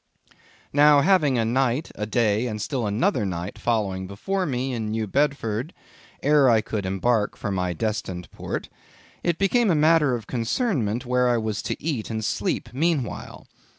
Now having a night, a day, and still another night following before me in New Bedford, ere I could embark for my destined port, it became a matter of concernment where I was to eat and sleep meanwhile.